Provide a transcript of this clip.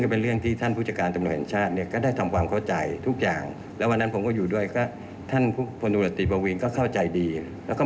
ก็เรียนได้เลยว่าวันนั้นเขาเข้าใจกันดีทั้งหมด